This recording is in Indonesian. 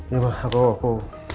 ya mbak aku